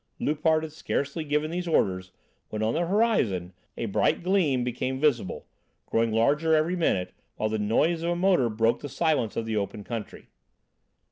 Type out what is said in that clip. Loupart had scarcely given these orders, when, on the horizon, a bright gleam became visible, growing larger every minute, while the noise of a motor broke the silence of the open country.